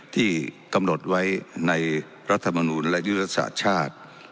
ที่กำหนดไว้ในรัฐมนุนและยุทธศาสตร์ชาติ